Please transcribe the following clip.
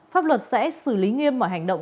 pháp luật sẽ xử lý nghiêm mọi hành động